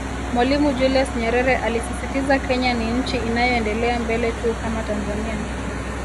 Mwalimu Julius Nyerere alisisitiza Kenya ni nchi inayoendelea mbele tu kama Tanzania